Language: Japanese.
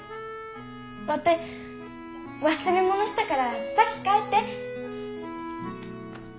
ワテ忘れ物したから先帰って。